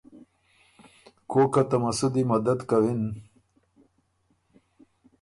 کوک که ته مسودی مدد کوِن